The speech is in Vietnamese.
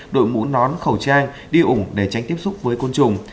đội mũ nón khẩu trang đi ủng để tránh tiếp xúc với côn trùng